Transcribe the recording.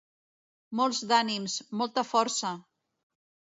Molts d’ànims, molta força!